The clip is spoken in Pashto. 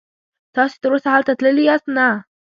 تاسې تراوسه هلته تللي یاست؟ نه.